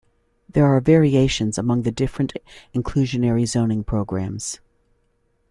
There are variations among different inclusionary zoning programs.